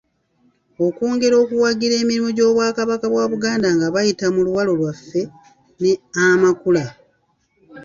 Okwongera okuwagira emirimu gy'Obwakabaka bwa Buganda nga bayita mu ‘Luwalo Lwaffe' ne ‘Amakula.'